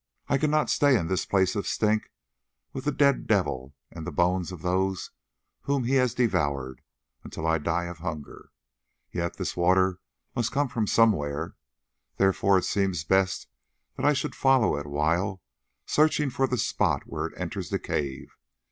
I cannot stay in this place of stinks with the dead devil and the bones of those whom he has devoured, until I die of hunger. Yet this water must come from somewhere, therefore it seems best that I should follow it awhile, searching for the spot where it enters the cave.